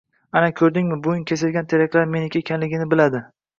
Ana, koʻrdingmi, buving kesilgan teraklar meniki ekanini biladi.